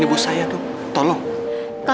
mas aku mau masuk ke rumah